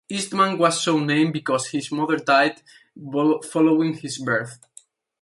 Eastman was so named because his mother died following his birth.